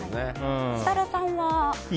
設楽さんは？